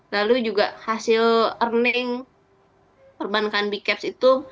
lalu juga hasil earning perbankan bkeps itu